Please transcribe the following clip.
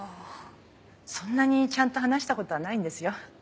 そんなにちゃんと話したことはないんですよ。